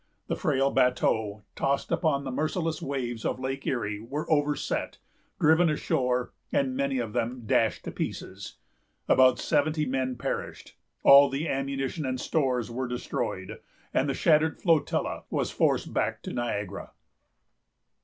The frail bateaux, tossing upon the merciless waves of Lake Erie, were overset, driven ashore, and many of them dashed to pieces. About seventy men perished, all the ammunition and stores were destroyed, and the shattered flotilla was forced back to Niagara.